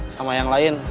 sama yang lain